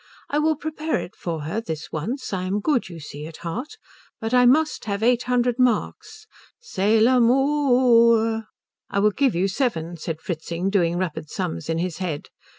I will prepare it for her this once. I am good, you see, at heart. But I must have eight hundred marks. Cest l'amo o o o o our." "I will give you seven," said Fritzing, doing rapid sums in his head.